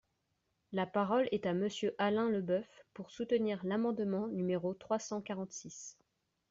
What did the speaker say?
La parole est à Monsieur Alain Leboeuf, pour soutenir l’amendement numéro trois cent quarante-six.